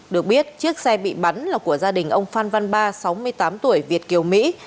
được biết chiếc xe bị bắn là của gia đình ông phan văn ba sáu mươi tám tuổi việt kiều mỹ